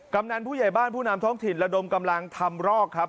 กำนันผู้ใหญ่บ้านผู้นำท้องถิ่นระดมกำลังทำรอกครับ